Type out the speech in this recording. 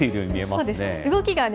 そうですね。